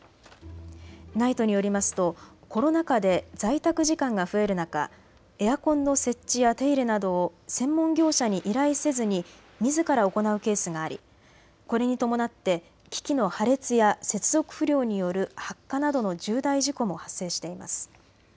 ＮＩＴＥによりますとコロナ禍で在宅時間が増える中、エアコンの設置や手入れなどを専門業者に依頼せずにみずから行うケースがありこれに伴って機器の破裂や接続不良による発火などの重大事故も発生しています。